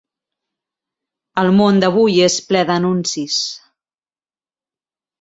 El món d'avui és ple d'anuncis.